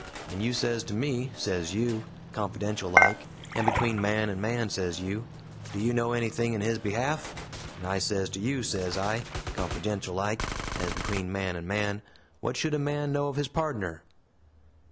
And you sez to me, sez you confidential like, and between man and man sez you, 'Do you know anything in his behalf?' and I sez to you, sez I confidential like, as between man and man 'What should a man know of his pardner?'"